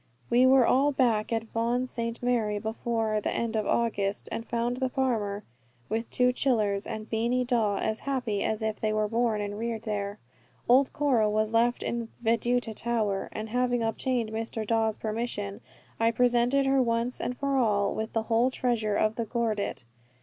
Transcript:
We were all back at Vaughan St. Mary before the end of August, and found the farmer, the two chillers, and Beany Dawe as happy as if they were born and reared there. Old Cora was left at Veduta Tower; and having obtained Mr. Dawe's permission I presented her once and for all with the whole treasure of the gordit.